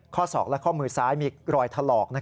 ศอกและข้อมือซ้ายมีรอยถลอก